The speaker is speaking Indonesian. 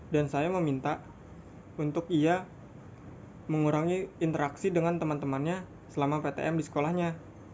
dan saya meminta untuk ia mengurangi interaksi dengan teman temannya selama ptm di sekolahnya